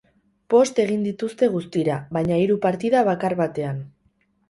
Bost egin dituzte guztira, baina hiru partida bakar batean.